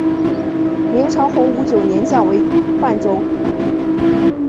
明朝洪武九年降为沅州。